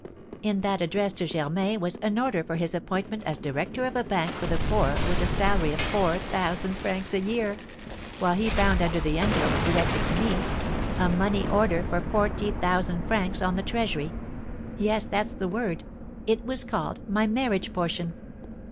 In that addressed to Germain was an order for his appointment as director of a bank for the poor with a salary of four thousand francs a year; while he found under the envelope, directed to me, a money order for forty thousand francs on the treasury, yes, that's the word; it was called my marriage portion.